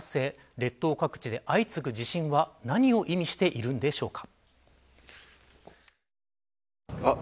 列島各地で相次ぐ地震は何を意味しているんでしょうか。